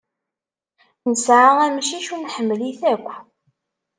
Nesɛa amcic u nḥemmel-it akk.